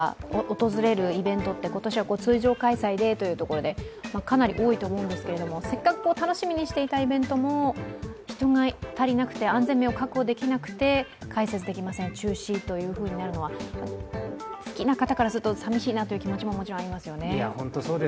コロナ禍からの回復で多くの方が訪れるイベントって今年は通常開催でというところで、かなり多いと思うんですけれどもせっかく楽しみにしていたイベントも人が足りなくて安全面を確保できなくて開設できません、中止というふうになるのは好きな方からすると寂しいなという気持ちももちろんありますよね。